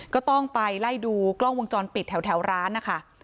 ก็ต้องไปไล่ดูกล้องวงจรปิดแถวร้านนะคะ